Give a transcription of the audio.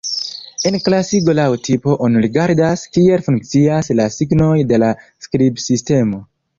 En klasigo laŭ tipo oni rigardas, kiel funkcias la signoj de la skribsistemo.